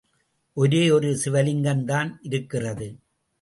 ஒரேயொரு சிவலிங்கம்தான் இருக்கிறது.